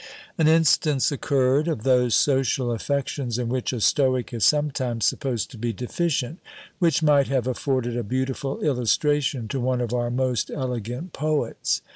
An instance occurred of those social affections in which a stoic is sometimes supposed to be deficient, which might have afforded a beautiful illustration to one of our most elegant poets.